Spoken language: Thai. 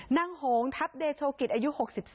นางโหงทัพเดชโกิตอายุ๖๓